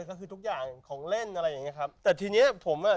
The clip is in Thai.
ก็คือทุกอย่างของเล่นอะไรอย่างเงี้ครับแต่ทีเนี้ยผมอ่ะ